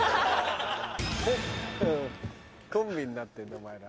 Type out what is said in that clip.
コンビになってんだお前ら。